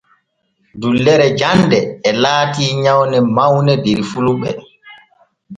Dullere jande e laati nyawne mawne der fulɓe.